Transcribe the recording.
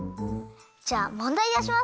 じゃあもんだいだしますね。